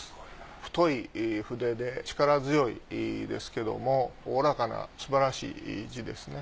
太い筆で力強いですけどもおおらかなすばらしい字ですね。